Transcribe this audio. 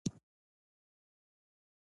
زغال د افغانستان د ملي هویت نښه ده.